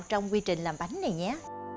trong quy trình làm bánh này nhé